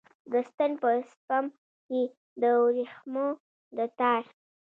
د ستن په سپم کې د وریښمو د تار